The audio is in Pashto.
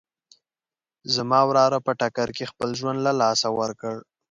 زما وراره په ټکر کې خپل ژوند له لاسه ورکړ